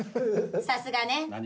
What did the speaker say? さすがね。